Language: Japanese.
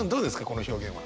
この表現は。